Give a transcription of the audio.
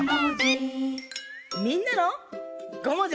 みんなの「ごもじもじ」。